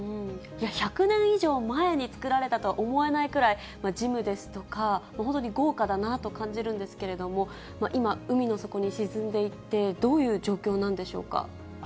１００年以上前に作られたと思えないぐらい、ジムですとか、本当に豪華だなと感じるんですけれども、今、海の底に沈んでいて、どういう状況なんでしょうか。